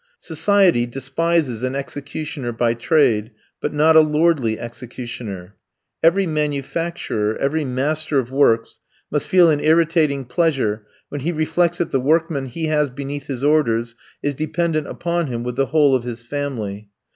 Society despises an executioner by trade, but not a lordly executioner. Every manufacturer, every master of works, must feel an irritating pleasure when he reflects that the workman he has beneath his orders is dependent upon him with the whole of his family.